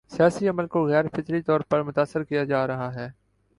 سیاسی عمل کو غیر فطری طور پر متاثر کیا جا رہا ہے۔